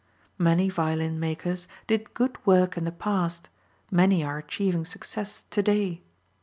Many violin makers did good work in the past, many are achieving success to day.